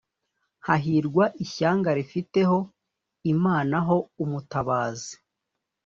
Hahirwa ishyanga rifite ho Imana ho umutabazi